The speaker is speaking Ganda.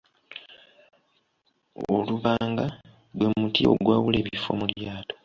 Olubanga gwe muti ogwawula ebifo mu lyato.